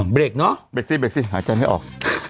เบรกเนอะเบรกสิเบรกสิหายใจไม่ออก